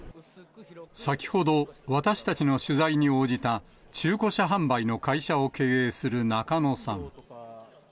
先ほど、私たちの取材に応じた、中古車販売の会社を経営する中野さん。